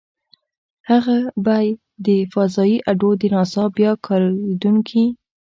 هغې به د فضايي اډو - د ناسا بیا کارېدونکې.